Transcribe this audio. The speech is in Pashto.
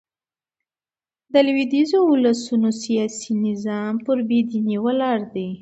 د لوېدیځو اولسونو سیاسي نظام پر بې دينۍ ولاړ دئ.